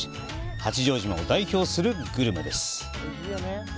八丈島を代表するグルメです。